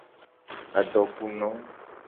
Adoku no.